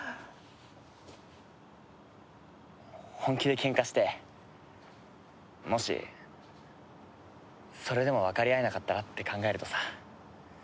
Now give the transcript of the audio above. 本気でケンカしてもしそれでもわかり合えなかったらって考えるとさ。